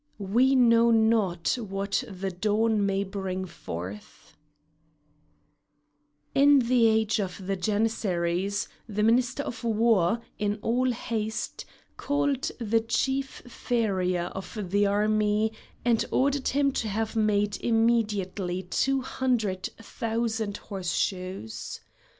WE KNOW NOT WHAT THE DAWN MAY BRING FORTH In the age of the Janissaries the Minister of War, in all haste, called the chief farrier of the Army and ordered him to have made immediately two hundred thousand horseshoes.